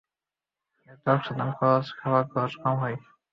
এতে অক্সিজেন খরচ, খাবার খরচ কম হয়।